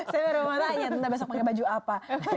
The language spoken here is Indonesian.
saya baru mau tanya tentang besok pakai baju apa